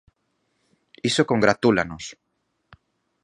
Iso congratúlanos.